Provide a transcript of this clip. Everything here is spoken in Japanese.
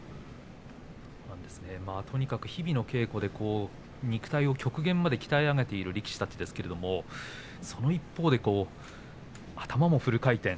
とにかく日々の稽古で、肉体を極限まで鍛え上げている力士ですけれどもその一方で頭もフル回転。